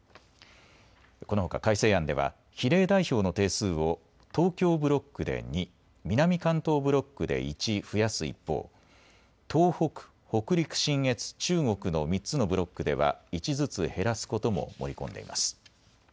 このほか改正案では比例代表の定数を東京ブロックで２、南関東ブロックで１増やす一方、東北、北陸信越、中国の３つのブロックでは１ずつ減らすことも盛り込んでいます。